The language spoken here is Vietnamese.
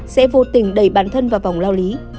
sẽ vô tình đẩy bản thân vào vòng lao lý